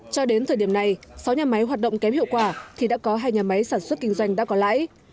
cho đến thời điểm này sáu nhà máy hoạt động kém hiệu quả thì đã có hai nhà máy sản xuất kinh doanh đã có lãi